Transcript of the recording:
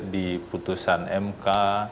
di putusan mk